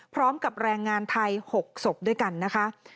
พร้อมกับแรงงานไทย๖ศพด้วยกันนะคะ